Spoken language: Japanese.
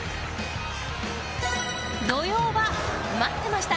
土曜は、待ってました